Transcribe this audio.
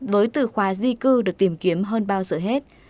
với từ khóa di cư được tìm kiếm hơn bao giờ hết